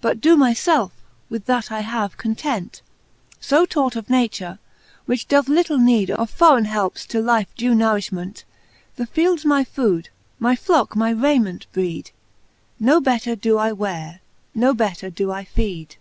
But doe my felfe, with that I have, content ; So taught of nature, which doth litle need Of forreine helpes to lifes due nourifliment : The fields my food, my flocke my rayment breed ; No better doe I weare, no better doe I feed.